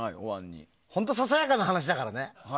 本当にささやかな話だからね。